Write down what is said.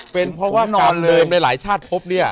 เป็นเพราะว่าการเดิมหลายชาติพบเนี่ย